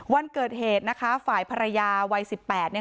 วันเกิดเหตุนะคะฝ่ายภรรยาวัยสิบแปดเนี่ย